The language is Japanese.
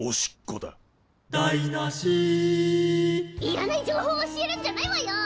「だいなし」いらない情報教えるんじゃないわよ！